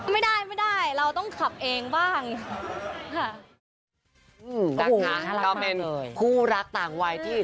ไม่ได้ไม่ได้เราต้องขับเองบ้าง